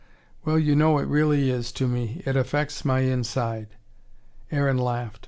"Well, you know, it really is, to me. It affects my inside." Aaron laughed.